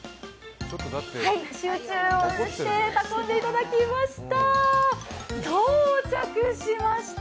集中をして運んでいただきました。